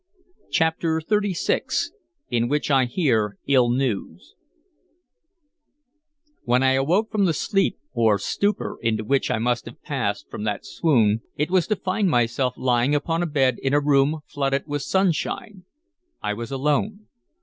CHAPTER XXXVI IN WHICH I HEAR ILL NEWS WHEN I awoke from the sleep or stupor into which I must have passed from that swoon, it was to find myself lying upon a bed in a room flooded with sunshine. I was alone.